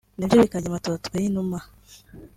nabyo bikarya amatotwe y’inuma